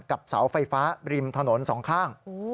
กับเสาไฟฟ้าริมถนน๒ข้าง